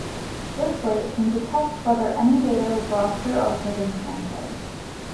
This way it can detect whether any data was lost or altered in transit.